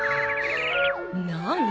何？